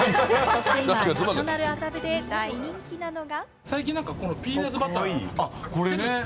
今、ナショナル麻布で人気なのが。